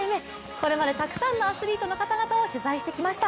これまでたくさんのアスリートの方々を取材してきました。